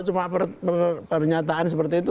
cuma pernyataan seperti itu